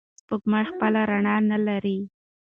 سپوږمۍ خپله رڼا نلري.